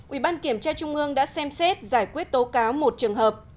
ubnd đã xem xét giải quyết tố cáo một trường hợp